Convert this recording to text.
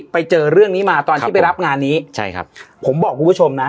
ไปเจอเรื่องนี้มาตอนที่ไปรับงานนี้ใช่ครับผมบอกคุณผู้ชมนะ